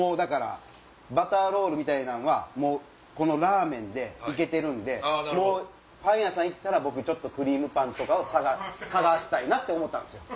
バターロールみたいなんはこのラーメンで行けてるんでパン屋さん行ったらクリームパンとかを探したいなって思ったんすよ。